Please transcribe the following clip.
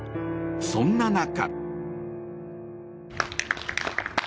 そんな中。